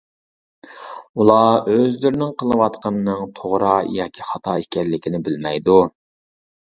ئۇلار ئۆزلىرىنىڭ قىلىۋاتقىنىنىڭ توغرا ياكى خاتا ئىكەنلىكىنى بىلمەيدۇ.